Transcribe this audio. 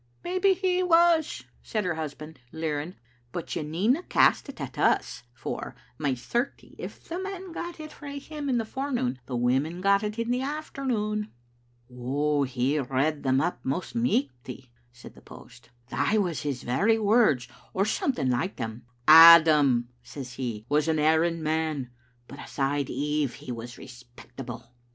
"Maybe he was," said her husband, leering; "but you needna cast it at us, for, my certie, if the men got it frae him in the forenoon, the women got it in the afternoon." "fle redd them up most michty," said the post "Thae was his very words or something like them. 'Adam,' says he, 'was an erring man, but aside Eve he was respectable.